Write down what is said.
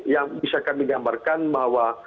yang bisa kami gambarkan bahwa